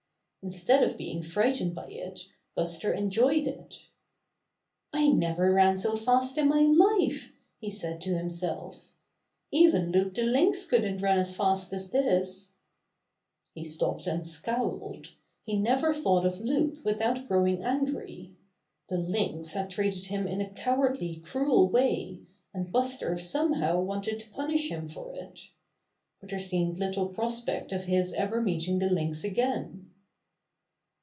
Instead of being frightened by it, Buster en joyed it. never ran so fast in my life," he said to himself. '^Even Loup the Lynx couldn't run as fast as this." 92 Buster the Bear He stopped and scowled. He never thought of Loup without growing angry. The Lynx had treated him in a cowardly, cruel way, a<id Buster somehow wanted to punish him for it. But there seemed little prospect of his ever meeting the Lynx again.